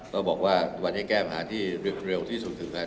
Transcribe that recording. ก็บอกว่าวันนี้แก้ปัญหาที่เร็วที่สุดถึงกัน